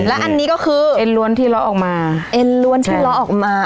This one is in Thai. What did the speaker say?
และอันนี้ก็คือเอ็นล้วนที่ล้อออกมาเอ็นล้วนที่ล้อออกมา